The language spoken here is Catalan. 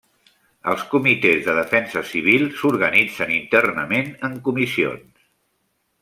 Els Comitès de defensa civil s'organitzen internament en comissions.